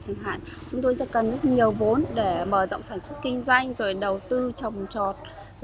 chúng tôi cần rất nhiều vốn để mở rộng sản xuất kinh doanh đầu tư trồng trọt